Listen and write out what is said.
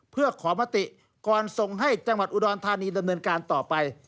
เพื่อขอมติก่อนส่งให้จังหวัดอุดรธานีดำเนินการต่อไป